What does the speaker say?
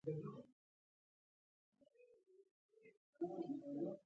د افغانانو له خطر سره د مقابلې پلان جوړ کړ.